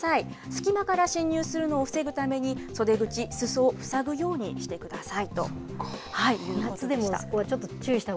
隙間から進入するのを防ぐために、袖口、すそを塞ぐようにしてくださいということでした。